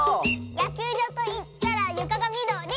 「やきゅうじょうといったらゆかがみどり！」